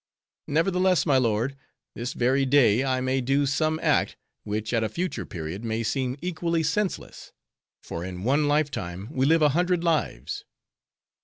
Nevertheless, my lord, this very day I may do some act, which at a future period may seem equally senseless; for in one lifetime we live a hundred lives.